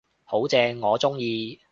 好正，我鍾意